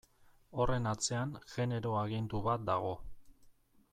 Horren atzean genero agindu bat dago.